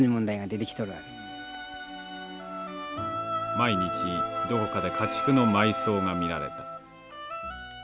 毎日どこかで家畜の埋葬が見られた。